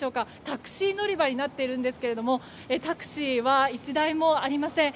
タクシー乗り場になっているんですがタクシーは１台もありません。